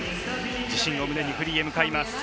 自信を胸にフリーに向かいます。